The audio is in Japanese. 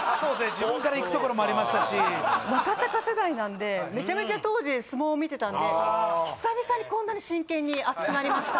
自分からいくところもありましたし若貴世代なんでメチャメチャ当時相撲見てたんで久々にこんなに真剣に熱くなりました